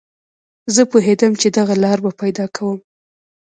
زه پوهېدم چې دغه لاره به پیدا کوم